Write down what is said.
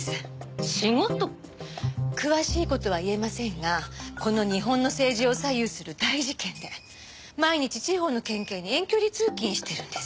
詳しい事は言えませんがこの日本の政治を左右する大事件で毎日地方の県警に遠距離通勤してるんです。